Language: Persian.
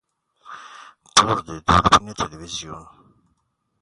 برد دوربین تلویزیون